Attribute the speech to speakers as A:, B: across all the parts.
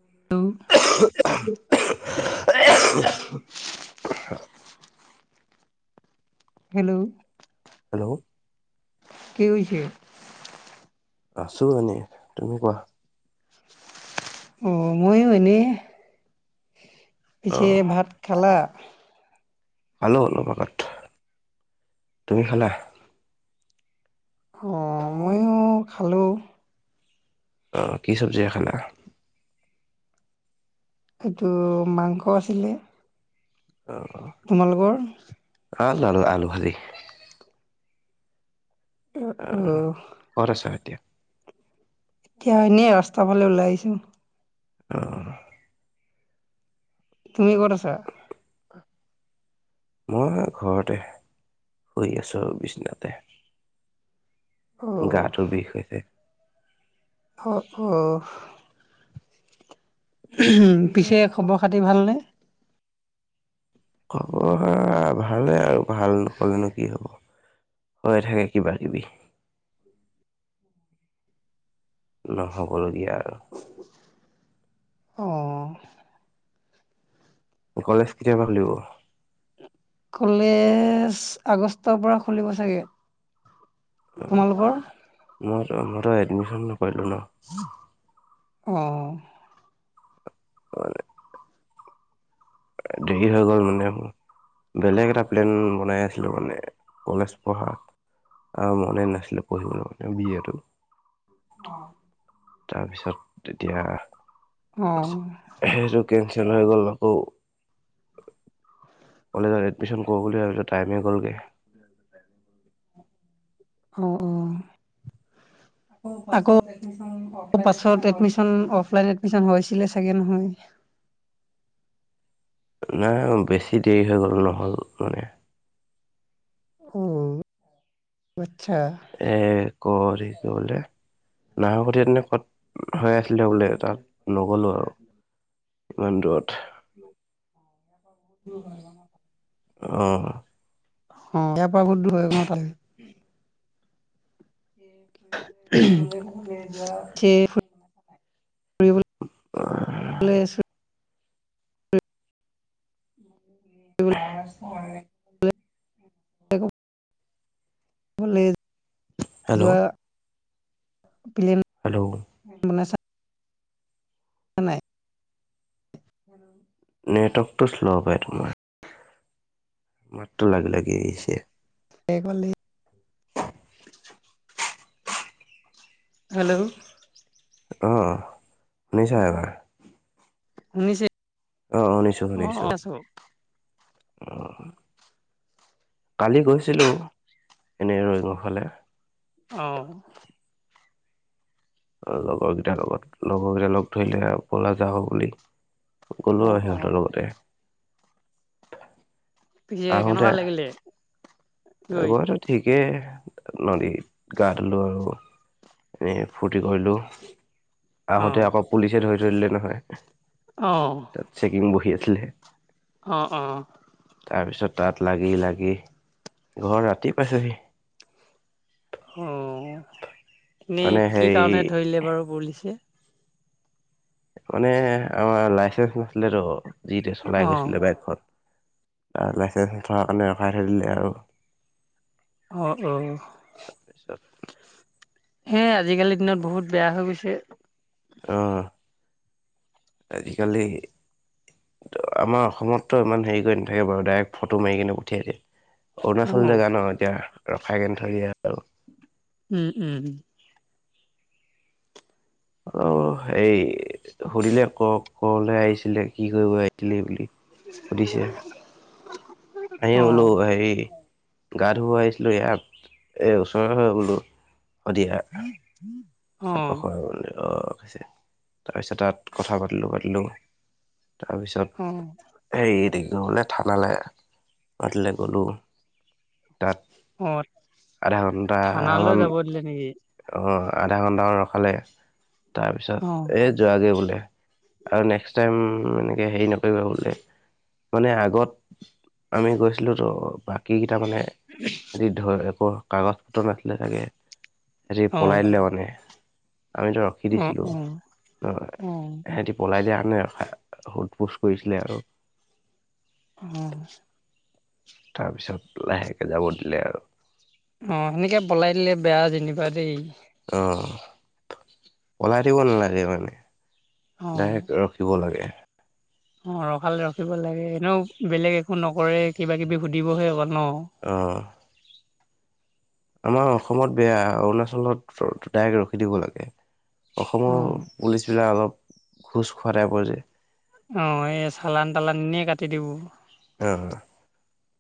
A: হেল্ hello
B: hello
A: কি হৈছে?
B: আছো আনে তুমি কোৱা?
A: অ মইো এনেই
B: অ
A: পিছে ভাত খালা?
B: খালো অলপ আগত তুমি খালা
A: [unintelligible] অঁ ময়ো খালোঁ।
B: আহ কি চবজি খালা
A: এইটো মাংস আছিলে।
B: অ
A: তোমালোকৰ?
B: আহ [unintelligible] আলু ভাজি। আহ
A: অ'
B: কত আছা এতিয়া?
A: এতিয়া এনে ৰাস্তাৰ ফালে ওলাই আহিছো
B: আহ
A: তুমি কত আছা?
B: মই ঘৰতে শুই আছোঁ আৰু বিচনাতে
A: অ'
B: গাটো বিষ হৈছে
A: অ, অ, উ পিছে খবৰ খাতি ভালনে?
B: খবৰ ভালে আৰু ভাল নকলেনো কি হ'ব হৈ থাকে কিবা কিবি
A: হয়।
B: নহব লগীয়া আৰু
A: অ,
B: কলেজ কেতিয়াবা খুলিব
A: কলেজ আগষ্টৰ পৰা খুলিব চাগে তোমালোকৰ
B: মই মইতো এডমিশন নকৰিলোঁ ন
A: অ,
B: হয়। দেৰি হৈ গ'ল মানে বেলেগ এটা প্লেন বনাই আছিলো মানে কলেজ পঢ়াত মনে নাছিলে পঢ়িবলৈ ম বি এটো তাৰপিছত তেতিয়া
A: অ'
B: সেইটো কেনচেল হৈ গল আকৌ কলেজত এডমিশন কৰ বুলি ভাবো টাইমেই গ'লগে
A: অ, অ, আকৌ পাছত এডমিশন অফলাইন এডমিশন হৈছিলে থাকে নহয়
B: নাই বেছি দেৰি হৈ গ'ল নহ'ল মানে
A: অ, আচ্ছা
B: এ ক ক বোলে নাহ [unintelligible] তেনে ক'ত হৈ আছে বোলে তাত নগ'লোঁ আৰু ইমান দূৰত অ,
A: অ ইয়াৰ পৰা বহুত দূৰ হৈ ন তাত
B: ফুবলৈ [unintelligible] যোৱা
A: যে ফুৰিবলে
B: আহ, [unintelligible] হয়।
A: [unintelligible] লে
B: হেল্ল'
A: যোৱা, প্লেন
B: হেল্ল'
A: [unintelligible] মানাই
B: নেটৱৰ্কটো শ্ল', প, টোমাৰ। মাত্ৰ লাগ, লাগি আহিছে।
A: দেখ ভালে। হেল্ল?
B: অ, শুনিছা এবাৰ
A: শুনিছো।
B: আহ, শুনিছো, শুনিছো।
A: [inaudible]
B: কালি গৈছিলো, এনে ৰইঙৰ ফালে।
A: আহ।
B: লগৰ কেইটাৰ লগত, লগৰ কেইটা লগ ধৰিলে, পলা যা, হ, বুলি।
A: অ
B: গলো আৰু
A: অ
B: সিহঁতৰ লগতে।
A: পিছে কেনেকুৱা লাগিলে? গৈ
B: বটো, ঠিকেই। নদীত গা ধুলোঁ আৰু এনেই ফূুৰৰ্তি কৰিলোঁ।
A: অ
B: আহোঁতে আকৌ পুলিচে ধৰি, ধৰিলে নহয়।
A: অ
B: তাত চেকিং বহি আছিলে।
A: অ', অ'।
B: তাৰপিছত তাত লাগি, লাগি ঘৰত ৰাতি পাইছেহি।
A: অ,
B: মানে
A: এনেই কি
B: হেৰি
A: কাৰণে ধৰিলে বাৰু পছে।
B: মানে আমাৰ লাইচেন্ঞ্চ নাছিল ৰো, যিটোৱে চলাই
A: অ
B: গৈছিলে বাইকখন। লাইচেন্ঞ্চ নথকাৰ কাৰণে ৰখাই থৈ দিলে আৰু।
A: আহ, অ'।
B: তাৰপিছত
A: হে, আজিকালিৰ দিনত বহুত বেয়া হৈ গৈছে।
B: আহ, আজিকালি আমাৰ অসমততো ইমান হেৰি কৰি নাথাকে বাৰু ডাইৰেক্ট ফটো মাৰি কিনে পঠিয়াইকে।
A: অ
B: অৰুণাচল জেগা ন, এতিয়া ৰসাই কেন থৰি আৰু।
A: উম, উম, উম।
B: অ, হেই সুধিলে ক, কলে আহিছিলে। কি কৰিবাইছিলে বুলি সুধিছে। আহি
A: অ
B: বলো হ গা ধুব আহিছিলোঁ ইয়াত, এই ওচৰ হৈ বোলো।
A: [inaudible]
B: চ, খ, অ, তাৰপিছত তাত কথা পাতিলো, পাতিলো। তাৰপিছত
A: অ
B: হেৰি থাকি নহলে, ঠানালে আহ মতিলৈ গ'লো। তাত
A: অ
B: আধা
A: থানালৈ
B: ঘণ্টামান
A: যাব দিলে নেকি
B: অ'। আধা ঘন্টামান ৰখালে, তাৰপিছত
A: অ
B: এ, যোৱাগে বোলে। আৰু নেক্স টাইম, এনেকে হেৰি নকৰিবা বোলে। মানে আগত আমি গৈছিলো তো, বাকী তাৰ মানে সিতি ধ, একো কাগজ পত্ৰ নাছিলে চাগে, সিহতি
A: অ',
B: পলাই
A: অ',
B: দিলে মানে। আমিতো ৰখি দিছিলো
A: অ',
B: ন,
A: অ',
B: সিহতি পলাই দিয়া মানে সোধ, পোছ কৰিছিলে আৰু।
A: উ।
B: তাৰপিছত লাহেকে যাব দিলে আৰু।
A: অ, সেনেকে পলাই দিলে বেয়া যেনিবা দেই।
B: অ, পলাই দিব নালাগে মানে,
A: অ',
B: ডাইৰেক্ট ৰখিব লাগে।
A: অ, ৰখালে ৰখিব লাগে, এনেও বেলেগ একো নকৰে কিবা, কিবি সুধিবহে অকল। ন?
B: আহ। আমাৰ অসমত বেয়া, অৰুণাচলত দাইৰেক্ট ৰখি দিব লাগে। অসমৰ
A: অ',
B: পুলিচ বিিলাক অলপ খোজ খুৱটাই পৰিছে।
A: অ', এই চালান তালান এ কাটি দিব।
B: অ',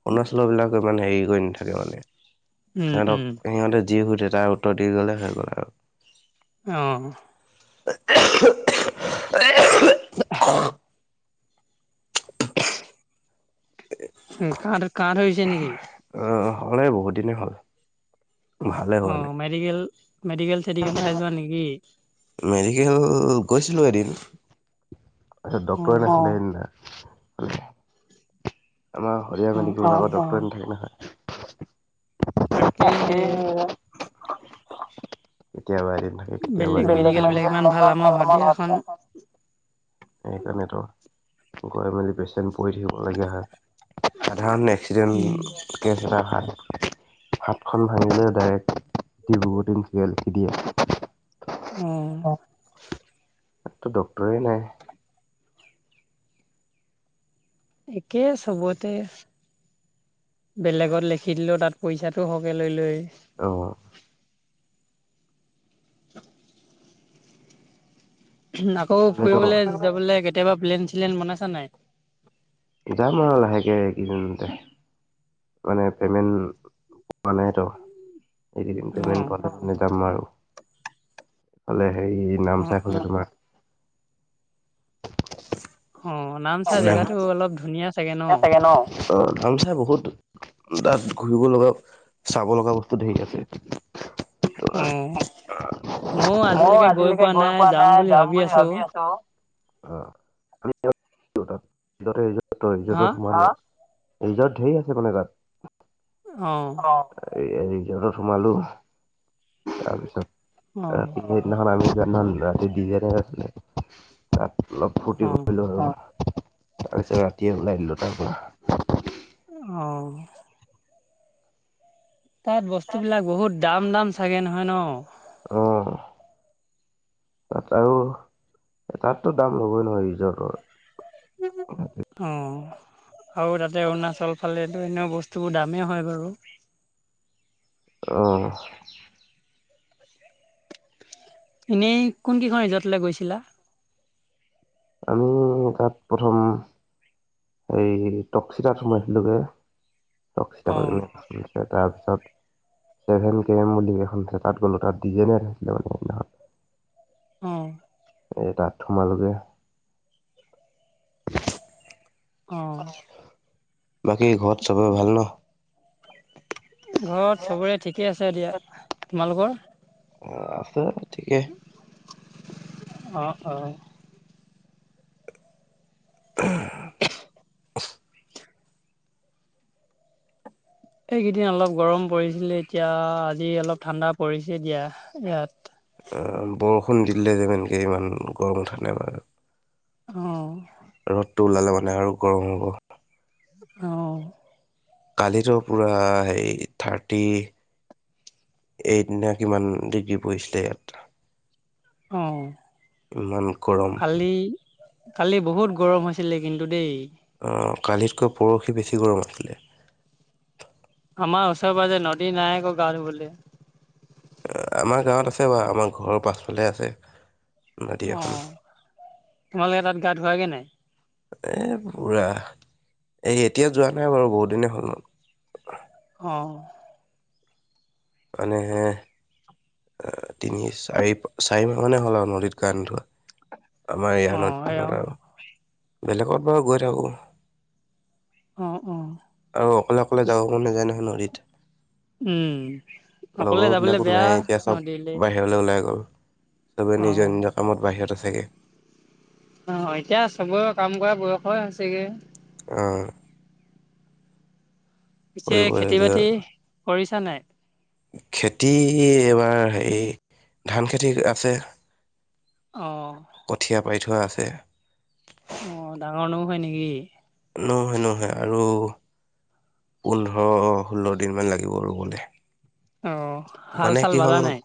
B: অৰুণাচল বিলাক ইমানে হেৰি কৰি নাথাকে মানে
A: উম, উম।
B: সিহঁতক সিহঁতে যি সুধে তাৰ উত্তৰ দি গলে হৈ গল আৰু
A: আহঁ
B: [unintelligible] [unintelligible]
A: কাৰ কাৰ হৈ হৈছে নেকি
B: অ হলে বহুত দিনে ভাল
A: অ মেডিকেল মেডিকেল চেডিকেল নাই যোৱা নেকি
B: মেডিকেল গৈছিলো এদিন আচ্ছা ড্টৰ
A: অ',
B: আছিলা আমাৰ
A: অ',
B: সৰিিয়
A: অ',
B: মেডিকেলত ডৰে নাথাকে নহয়
A: তাকে
B: কেতিয়াবা এদিন থাকে কেতিয়া
A: বিলাক ইমান ভাল আমাৰ শদিয়াখন
B: সেইকাৰণেতো গৈ মেলি পেচেণ্ট পৰি থাকিবলগীয়া হয় সাধাৰণ
A: উম,
B: এক্সিডেণ্ট কেছ এটা ভাল হাতখন ভাঙিলে ডাইৰেক্ট দবটঠ লিখি দিয়ে
A: আহ
B: তটো ডটৰে নাই
A: একে চবতে বেলেগত লিখি দিলেও তাত পইচাটো সহকে লৈ লৈ
B: আহ
A: আকৌ
B: সেইফালেতো
A: ফুৰিবলৈ যাবলৈ কেতিয়াবা প্লেন চিলেন বনাইছা নাই
B: যাম আৰু লাহেকে এইকেইদিনতে মানে পেমেণ্ট পোৱা নাইতো এইকেইদিন পেমেণ্ট
A: অ',
B: পোৱা নাই পালে যাম আৰু এইফালে হেৰি
A: অ',
B: নামচাই ফালে তোমাৰ
A: অ নামচাই
B: নাম
A: জেগাতো অলপ ধুনীয়া চাগে ন
B: অ নামচাই বহুত তাত ঘুৰিব লগা চাব লগা বস্তু ধেৰ আছে
A: আহ
B: ময়ো আজিলৈকে গৈ পোৱা নাই যাম বুলি ভাবি আছো অ
A: হা?
B: [unintelligible] ৰিজৰ্ট ধেৰ আছে মানে তাত
A: অ
B: এই ৰিজৰ্টত সোমালোঁ তাৰপিছত
A: অ',
B: ৰাতি সেইদিনাখন আমি [unintelligible] ডি জে নাইট আছিলে তাত অলপ ফূৰ্তি
A: অ',
B: কৰিলো আৰু তাৰপিছত ৰাতিয়ে ওলাই দিলো তাৰ পৰা
A: অঁ তাত বস্তু বিলাক বহুত দাম দাম চাগে নহয় ন
B: আহ তাত আৰু তাততো দাম ল'বই নহয় ৰিজৰ্টৰ
A: অ', আৰু তাতে অৰুণাচল ফালে এনে বস্তুবোৰ দামেই হয় বাৰু
B: অ
A: এনেই কোন কেইখন ৰিজৰ্টলৈ গৈছিলা
B: আমি তাত প্ৰথম এইেই টকচিতাত সোমাইছিলোগে টকচিতা
A: অ',
B: কৰিছে তাৰপিছত ছেভেন কে এম বুলি এখন আছে তাত গ'লোঁ তাত ডি জে নাইট আছিলে মানে সেইদিনাখন
A: অ
B: এই তাত সোমালোগে
A: অ'।
B: বাকী ঘৰত চবৰে ভাল ন?
A: ঘৰত চবৰে ঠিকে আছে দিয়া, তোমালোকৰ?
B: অ', আছে ঠিকে।
A: অ', অ'।
B: [unintelligible] [unintelligible]
A: এইকেইদিন অলপ গৰম পৰিছিলে, এতিয়া আজি অলপ ঠাণ্ডা পৰিছে দিয়া ইয়াত।
B: বৰষুণ দিলে যে ইমানকে ইমান গৰম উঠা নাই বাৰু।
A: অ'।
B: ৰ'দটো ওলালে মানে আৰু গৰম হ'ব।
A: অ'।
B: কালিতো পুৰা হেই থাৰ্টি। এইত নে কিমান ডিগ্ৰী পৰিছিলে
A: অ',
B: ইয়াত। ইমান গৰম।
A: কালি কালি বহুত গৰম হৈছিলে কিন্তু দেই।
B: কালিতকৈ পৰহি বেছি গৰম আছিলে।
A: আমাৰ ওচৰে পাজৰে নদী নাই আকৌ গা ধুবলৈ।
B: আমাৰ গাঁৱত আছে বাৰু আমাৰ ঘৰৰ পাছফালে আছে। নদী
A: অ',
B: এখন
A: তোমালোকে তাত গা ধোৱাগে নাই?
B: এ, পুৰা এই এতিয়া যোৱা নাই বাৰু বহুত দিনে হ'ল মোৰ।
A: অ'।
B: এনেহে। তিনি চাৰি-চাৰিমাহ মানে হ'ল আৰু নদীত গা নোধোৱা। আমাৰ ইয়া
A: অ', এই
B: নদীখনত
A: অ',
B: আৰু বেলেগত বাৰু গৈ থাকোঁ।
A: অ', অ'।
B: আৰু অকলে, অকলে যাওঁ আকৌ কোনো নাযায় নহয় নদীত।
A: উম, অকলে
B: লগৰ
A: যাবলে
B: বিলাকো
A: বেয়া
B: নাই, এতিয়া চব
A: নদীলে।
B: বাহিৰলৈ ওলাই গল। চবে নিজৰ
A: অ',
B: নিজৰ কামত বাহিৰত আছে গৈ।
A: অ', এতিয়া চবৰে কাম কৰা বয়সই হৈছেগে।
B: অ'।
A: পিছে খেতি
B: কৰিবলগীয়া
A: বাতি কৰিছা নে নাই?
B: খেতি এবাৰ হেৰি ধান খেতি আছে।
A: অ'।
B: বাই থোৱা আছে।
A: অ', ডাঙৰ মানু হয় নেকি?
B: নহয় নহয় আৰু পোন্ধৰ ষোল্ল দিন মান লাগিব ৰুবলে।
A: অ', হাল
B: মানে
A: চাল
B: কি হ'ল
A: বালানে নাই?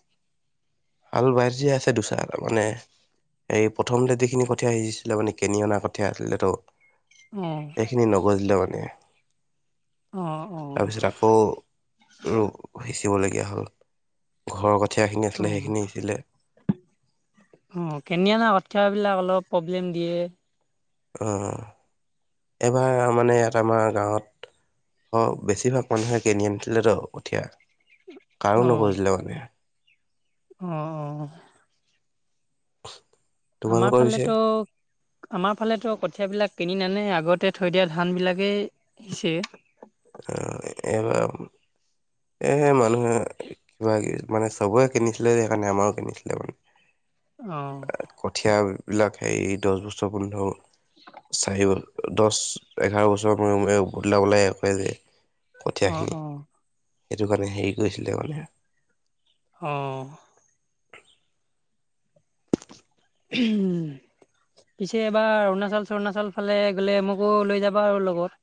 B: হাল বাই থোৱা আছে দুচাহ মানে এই প্ৰথমতে যিখিনি কথীয়া সিছিছিলে মানে কেনি অনা কথীয়া আছিলেতো।
A: অ
B: এইখিনি নগজিলে মানে।
A: অ অ
B: তাৰপিছত আকৌ সিঁচিবলগীয়া হ'ল। ঘৰৰ কঠীয়াখিনি আছিলে
A: অ',
B: সেইখিনি সিঁচিলে
A: অ', কিনিঅনা কঠিয়া বিলাক অলপ প্ৰব্লেম দিয়ে।
B: অ', এইবাৰ মানে ইয়াত আমাৰ গাঁৱত অ', বেছিভাগ মানুহে কিনি আনিছিলে ত কঠিয়া। কাৰো
A: অ
B: নগজিলে মানে।
A: অ', অ'। আমাৰ
B: তোমালোকৰ পিছে
A: ফালেতো, আমাৰ ফালেতো কঠিয়াবিলাক কিনি নানে আগতে থৈ দিয়া ধানবিলাকেই সিঁচে।
B: অহ এবাৰ এহে মানুহে কিবা মানে চবৰে কিনিছিলে যে সেইকাৰণে আমাৰো কিনিছিলে
A: অ
B: মানে। কঠিয়া বিলাক হেৰি দহ বছৰ পোন্ধৰ চাৰি বছৰ। দহ এঘাৰ বছৰ ম বদল লাই যে।
A: অ
B: কঠীয়াখিনি
A: অ।
B: সেইটো কাৰণে হেৰি কৰিছিলে মানে
A: আহ। উম। পিছে এবাৰ অৰুণাচল চৰুণাচল ফালে গ'লে মোকো লৈ যাবা আৰু লগত।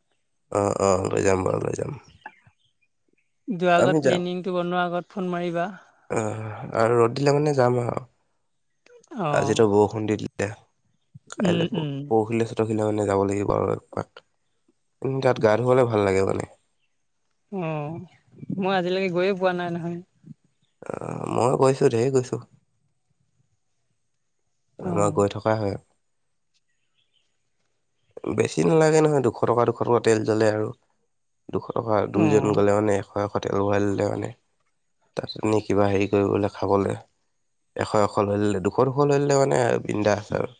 B: অ অ লৈ যাম বাৰু লৈ যাম।
A: যোৱাৰ
B: আমি
A: আগত
B: যাম
A: প্লেনিং টো বনোৱাৰ আগত ফোন মাৰিবা।
B: আহ আৰু ৰ'দ দিলে মানে যাম আৰু।
A: অ
B: আজিতো বৰষুণ দি দিলে
A: উম
B: কাইলৈ
A: উম
B: পৰখিলে চতখিলা মানে যাব লাগিব আৰু এক পাত তাত গা ধুৱলে ভাল লাগে মানে।
A: অ মই আজিলৈকে গৈয়ে পোৱা নাই নহয়।
B: অহ মই গৈছো ঢেৰ গৈছো।
A: অ
B: আমাৰ গৈ থকাই হয়। বেছি নালাগে নহয় দুশ টকা দুশ টকা তেল জ্বলে আৰু। দুশ টকা দুইজন
A: অ
B: গ'লে মানে এশ এশ তেল ভৰাই দিলে মানে। তাৰপিছতনে কিবা হেৰি কৰিবলৈ খাবলৈ এশ এশ লৰি লে দুশ দুশ লৰি লে মানে বিন্ধাছ আছে আৰু